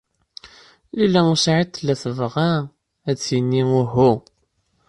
Lila u Saɛid tella tebɣa ad d-tini uhu.